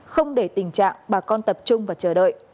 không để tình trạng bà con tập trung và chờ đợi